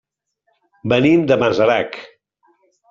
Venim de Masarac.